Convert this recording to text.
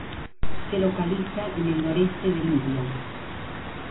Se localiza en el noreste de Libia.